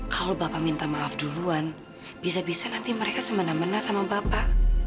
kalau bapak minta maaf duluan bisa bisa nanti mereka semena mena sama bapak